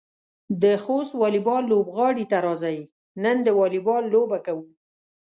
د خوست واليبال لوبغالي ته راځئ، نن د واليبال لوبه کوو.